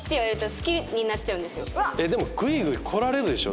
でもグイグイ来られるでしょ？